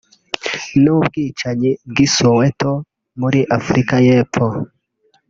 n’ubwicanyi by’i Soweto muri Afurika y’epfo